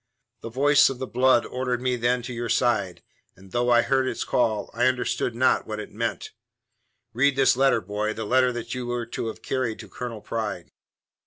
The voice of the blood ordered me then to your side, and though I heard its call, I understood not what it meant. Read this letter, boy the letter that you were to have carried to Colonel Pride."